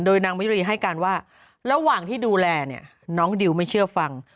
นางมิรีให้การว่าระหว่างที่ดูแลเนี่ยน้องดิวไม่เชื่อฟัง